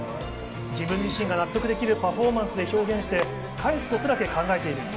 自分自身が納得できるパフォーマンスを表現して返すことだけ考えている。